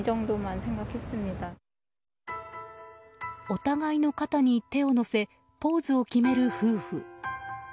お互いの肩に手を乗せポーズを決める夫婦。